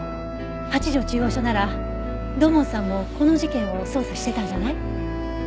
八条中央署なら土門さんもこの事件を捜査してたんじゃない？